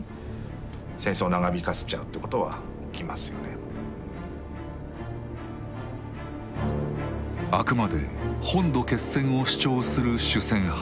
やっぱり人の心あくまで本土決戦を主張する主戦派。